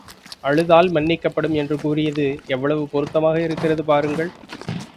அழுதால் மன்னிக்கப்படும் என்று கூறியது எவ்வளவு பொருத்தமாக இருக்கிறது பாருங்கள்!